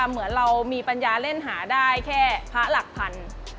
เหมือนเรามีปัญญาเล่นหาได้แค่พระหลักพัน